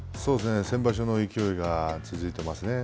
先場所の状態が続いています。